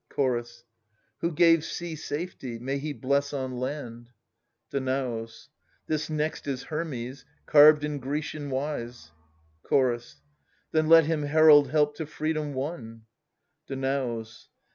I/' Chorus. Who * gave sea safety ; may he bless on land ! Danaus. This next is Hermes, carved in Grecian wise. ^vf^' Chorus. qJo Then let hini herald help to freedom won. Danaus.